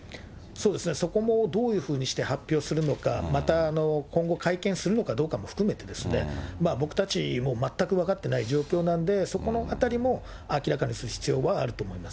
そこもどういうふうにして発表するのか、また今後、会見するのかどうかも含めてですね、僕たちも全く分かってない状況なんで、そこのあたりも明らかにする必要はあると思います。